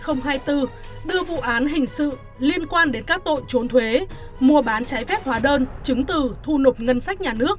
tòa án nhân dân tỉnh quảng ninh vừa có quyết định số hai mươi hai nghìn hai mươi bốn đưa vụ án hình sự liên quan đến tội trốn thuế mua bán trái phép hỏa đơn chứng từ thu nộp ngân sách nhà nước